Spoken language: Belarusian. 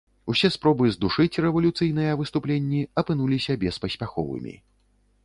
Усе спробы здушыць рэвалюцыйныя выступленні апынуліся беспаспяховымі.